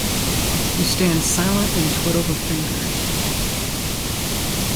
You stand silent and twiddle the fingers.